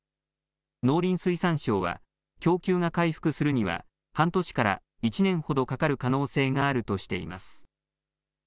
農林水産省は供給が回復するには半年から１年ほどかかる可能性があるとしています。